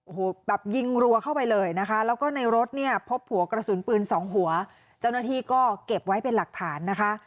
โอ้โหแบบยิงรัวเข้าไปเลยนะคะแล้วก็ในรถเนี่ยพบหัวกระสุนปืนสองหัวเจ้าหน้าที่ก็เก็บไว้เป็นหลักฐานนะคะ